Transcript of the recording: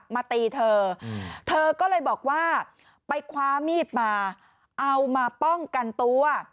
มาตีเธอเธอก็เลยบอกว่าไปคว้ามีดมาเอามาป้องกันตัว